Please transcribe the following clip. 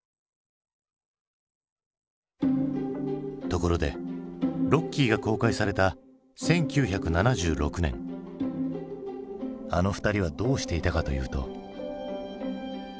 ところで「ロッキー」が公開された１９７６年あの２人はどうしていたかというと。